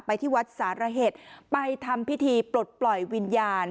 ที่วัดสารเหตุไปทำพิธีปลดปล่อยวิญญาณ